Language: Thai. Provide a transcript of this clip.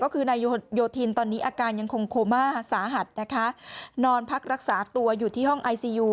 ก็คือนายโยธินตอนนี้อาการยังคงโคม่าสาหัสนะคะนอนพักรักษาตัวอยู่ที่ห้องไอซียู